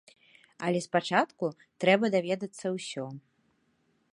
Але спачатку трэба даведацца ўсё.